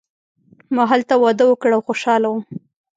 ما هلته واده وکړ او خوشحاله وم.